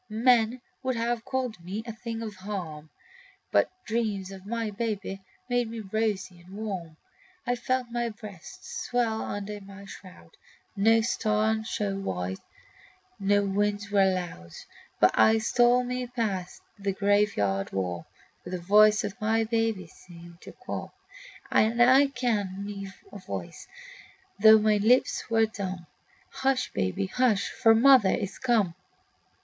Men would have called me a thing of harm, But dreams of my babe made me rosy and warm. I felt my breasts swell under my shroud; No star shone white, no winds were loud; But I stole me past the graveyard wall, For the voice of my baby seemed to call; And I kenned me a voice, though my lips were dumb: Hush, baby, hush! for mother is come.